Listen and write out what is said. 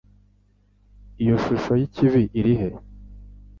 Iyo shusho y ikibi irihe?